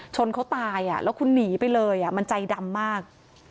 เขาตายแล้วคุณหนีไปเลยมันใจดำมาก